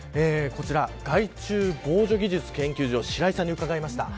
害虫防除技術研究所の白井さんに伺いました。